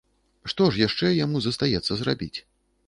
Што ж яшчэ яму застаецца зрабіць?